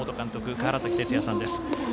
川原崎哲也さんです。